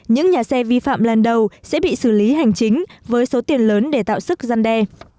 những nhà xe vi phạm lần đầu sẽ bị xử lý hành chính với số tiền lớn để tạo sức gian đe